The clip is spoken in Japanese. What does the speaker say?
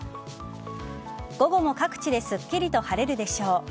午後も各地ですっきりと晴れるでしょう。